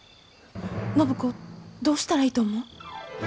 暢子どうしたらいいと思う？